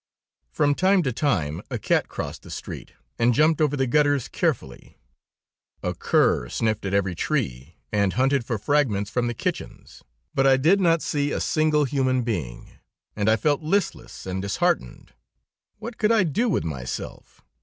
From time to time, a cat crossed the street, and jumped over the gutters, carefully. A cur sniffed at every tree, and hunted for fragments from the kitchens, but I did not see a single human being, and I felt listless and disheartened. What could I do with myself?